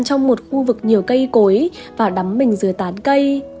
trong một khu vực nhiều cây cối và đắm mình dưới tán cây